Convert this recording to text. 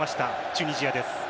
チュニジアです。